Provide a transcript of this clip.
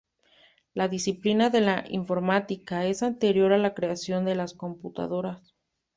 La disciplina de la informática es anterior a la creación de las computadoras.